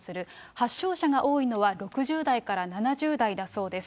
発症者が多いのは６０代から７０代だそうです。